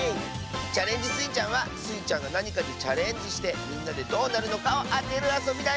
「チャレンジスイちゃん」はスイちゃんがなにかにチャレンジしてみんなでどうなるのかをあてるあそびだよ！